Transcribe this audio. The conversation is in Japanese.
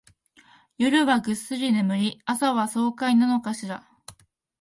夜はぐっすり眠り、朝は爽快なのかしら